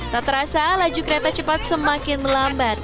tak terasa laju kereta cepat semakin melambat